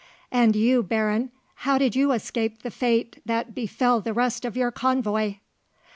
"And you, Baron; how did you escape the fate that befell the rest of your convoy?"